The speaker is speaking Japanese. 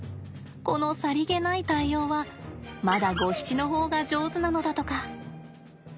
このさりげない対応はまだゴヒチの方が上手なのだとか。